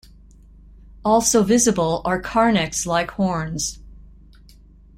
Also visible are carnyx-like horns.